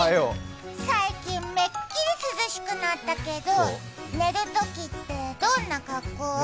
最近めっきり涼しくなったけど寝るときってどんな格好？